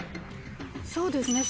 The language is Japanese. そうですね